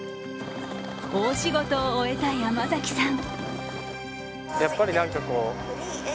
大仕事を終えた山崎さん。